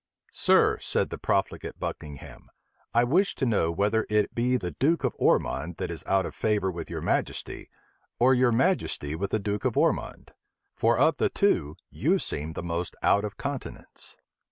"Sir," said the profligate Buckingham, "I wish to know whether it be the duke of Ormond that is out of favor with your majesty, or your majesty with the duke of Ormond; for of the two, you seem the most out of countenance."